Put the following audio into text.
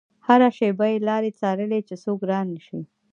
هره شېبه يې لارې څارلې چې څوک رانشي.